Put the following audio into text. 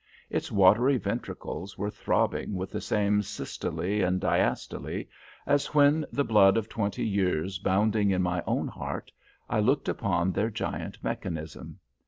Its watery ventricles were throbbing with the same systole and diastole as when, the blood of twenty years bounding in my own heart, I looked upon their giant mechanism.